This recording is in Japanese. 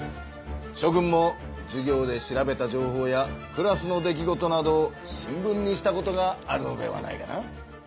しょ君もじゅ業で調べた情報やクラスの出来事などを新聞にしたことがあるのではないかな。